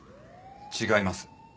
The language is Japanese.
違います。